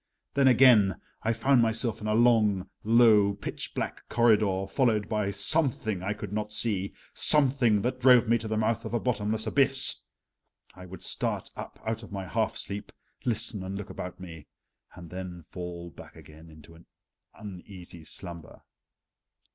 Then again, I found myself in a long, low, pitch black corridor, followed by Something I could not see Something that drove me to the mouth of a bottomless abyss. I would start up out of my half sleep, listen and look about me, then fall back again into an uneasy slumber.